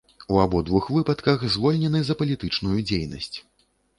У абодвух выпадках звольнены за палітычную дзейнасць.